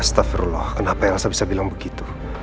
staffirullah kenapa yang saya bisa bilang begitu